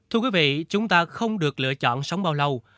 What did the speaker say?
thưa quý vị chúng ta không được lựa chọn sống bao lâu